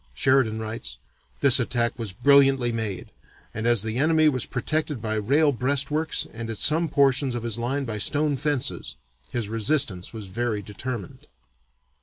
Sheridan writes: "This attack was brilliantly made, and as the enemy was protected by rail breastworks and at some portions of his line by stone fences, his resistance was very determined."